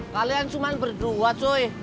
kalian cuma berdua cuy